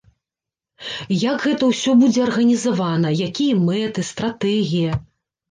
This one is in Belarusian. Як гэта ўсё будзе арганізавана, якія мэты, стратэгія.